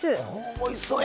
おいしそうや！